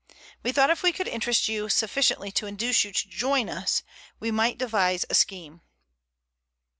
We thought if we could interest you sufficiently to induce you to join us, we might devise a scheme."